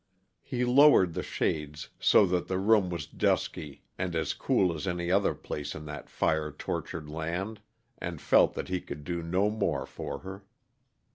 He lowered the shades so that the room was dusky and as cool as any other place in that fire tortured land, and felt that he could no do more for her.